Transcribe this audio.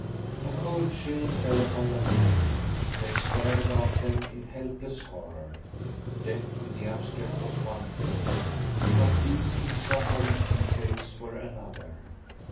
A cold chill fell upon them all. They stared about them in helpless horror. Death in the abstract was one thing, but these insufferable details were another.